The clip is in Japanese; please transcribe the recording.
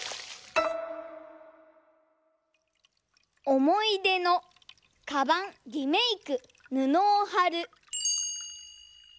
「おもいでのカバンリメイクぬのをはる」。